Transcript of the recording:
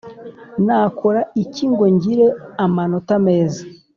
Nakora iki ngo ngire amanota meza